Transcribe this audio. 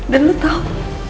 dan lo tau